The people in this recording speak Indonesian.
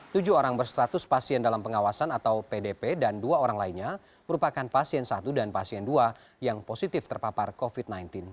tujuh orang berstatus pasien dalam pengawasan atau pdp dan dua orang lainnya merupakan pasien satu dan pasien dua yang positif terpapar covid sembilan belas